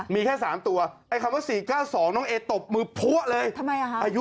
มีแค่๓ตัวไอ้คำว่า๔๙๒น้องเอ๊จบมือพวะเลย